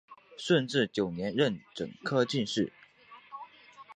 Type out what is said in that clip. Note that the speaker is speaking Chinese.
顺治九年壬辰科进士。